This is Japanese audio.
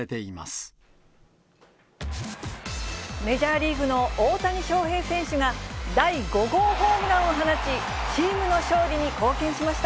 メジャーリーグの大谷翔平選手が、第５号ホームランを放ち、チームの勝利に貢献しました。